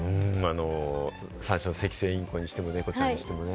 最初のセキセイインコにしても猫ちゃんにしてもね。